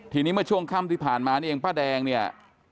ทีนี้เมื่อช่วงค่ำที่ผ่านมานี่เองป้าแดงเนี่ย